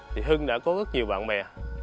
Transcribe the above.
thì hưng đã có rất nhiều bạn mẹ